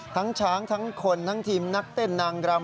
ทั้งช้างทั้งคนทั้งทีมนักเต้นนังกรรม